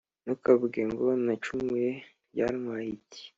Ntukavuge ngo «Ko nacumuye byantwaye iki?»